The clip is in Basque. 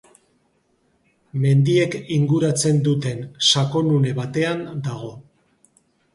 Mendiek inguratzen duten sakonune batean dago.